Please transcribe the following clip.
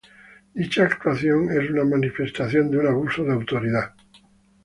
Dicha actuación es una manifestación de un abuso de autoridad.